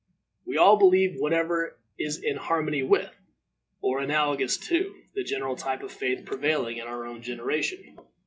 We all believe whatever is in harmony with, or analogous to, the general type of faith prevailing in our own generation.